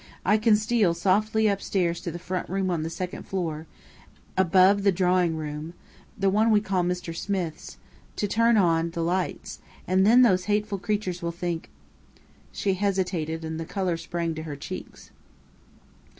I can steal softly upstairs to the front room on the second floor, above the drawing room the one we call 'Mr. Smith's' to turn on the lights, and then those hateful creatures will think ". She hesitated, and the colour sprang to her cheeks.